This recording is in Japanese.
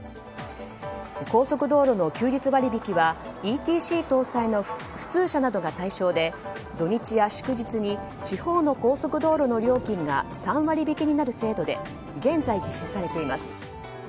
高速道路の休日割引はＥＴＣ搭載の普通車などが対象で土日や祝日に地方の高速道路の料金が３割引きになる制度で現在実施されています。